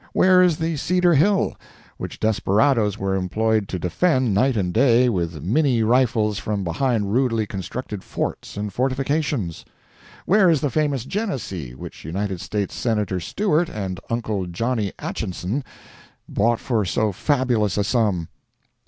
Where is the Cedar Hill, which desperadoes were employed to defend night and day with minie rifles from behind rudely constructed forts and fortifications? Where is the famous Genessee, which United States Senator Steward and "uncle" Johnny Atchison bought for so fabulous a sum?